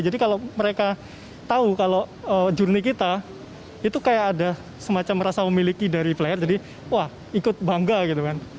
jadi kalau mereka tahu kalau journey kita itu kayak ada semacam rasa memiliki dari player jadi wah ikut bangga gitu kan